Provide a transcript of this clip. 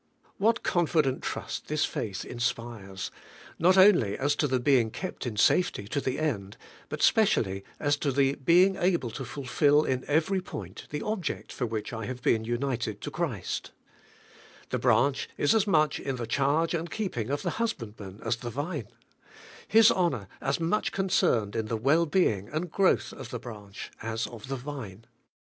What confident trust this faith inspires, — not only as to the being kept in safety to the end, but specially as to the being able to fulfil in every point the object for which I have been united to Christ. The branch is as much in the charge and keeping of the husband man as the vine; his honour as much concerned in GOD HIMSELF HAS UNITED YOU TO HIM. 55 the well being and growth of the branch as of the vine.